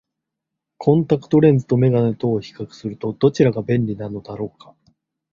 コンタクトレンズと眼鏡とを比較すると、どちらが便利なのだろうか。